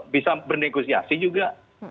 bisa bernegosiasi juga